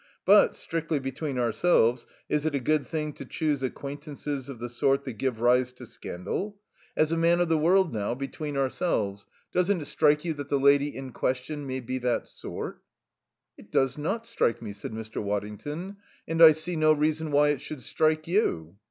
But, strictly between ourselves, is it a good thing to choose acquaintances of the sort that give rise to scandal? As a man of the world, now, between ourselves, doesn't it strike you that the lady in question may be that sort?" "It does not strike me," said Mr. Waddington, "and I see no reason why it should strike you."